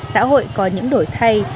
xã hội có những đổi thay